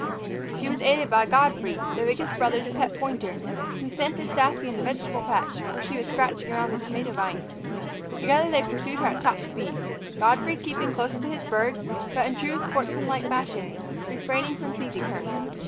She was aided by Godfrey, the biggest brother's pet pointer, who scented Sassy in the vegetable patch, where she was scratching around the tomato vines. Together they pursued her at top speed, Godfrey keeping close to his bird, but, in true sportsmanlike fashion, refraining from seizing her.